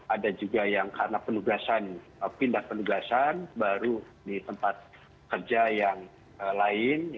ada juga yang karena penugasan pindah penugasan baru di tempat kerja yang lain